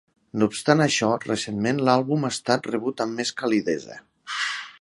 No obstant això, recentment l'àlbum ha estat rebut amb més calidesa.